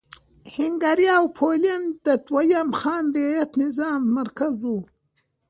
هنګري او پولنډ د دویم خان رعیت نظام مرکز و.